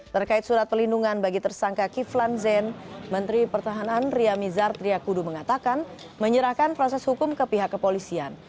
terkait surat pelindungan bagi tersangka kiflan zen menteri pertahanan ria mizar triakudu mengatakan menyerahkan proses hukum ke pihak kepolisian